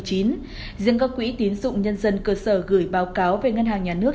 riêng các quỹ tiến dụng nhân dân cơ sở gửi báo cáo về ngân hàng nhà nước